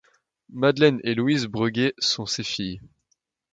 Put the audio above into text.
Madeleine et Louise Breguet sont ses filles.